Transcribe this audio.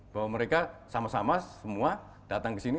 bahwa mereka sama sama semua datang ke sini